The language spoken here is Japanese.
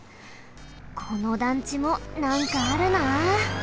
この団地もなんかあるな。